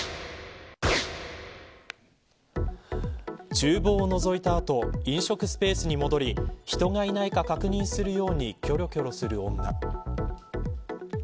厨房をのぞいた後飲食スペースに戻り人がいないか確認するようにきょろきょろする女。